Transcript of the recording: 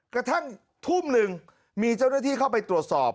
กระทั่งทุ่มหนึ่งมีเจ้าหน้าที่เข้าไปตรวจสอบ